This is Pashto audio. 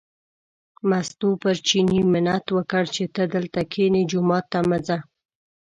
مستو پر چیني منت وکړ چې ته دلته کینې، جومات ته مه ځه.